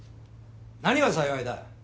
何が「幸い」だ！